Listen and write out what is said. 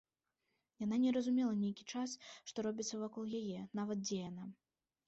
Яна не разумела нейкі час, што робіцца вакол яе, нават дзе яна.